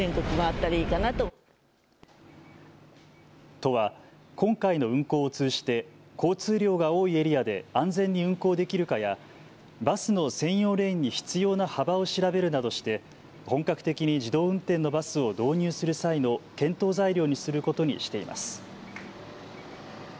都は今回の運行を通じて交通量が多いエリアで安全に運行できるかやバスの専用レーンに必要な幅を調べるなどして本格的に自動運転のバスを導入する際の検討材料にすることにしています。